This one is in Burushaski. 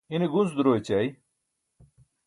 ine gunc duro ećai